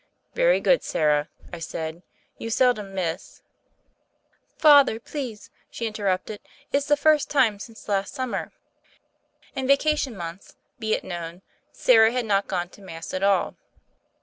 "Very good, Sarah," I said. "You seldom miss " lo THE FAIRY OF THE SNOWS "Father, please," she interrupted, it's the first time since last summer." In vacation months, be it known, Sarah had not gone to Mass at all.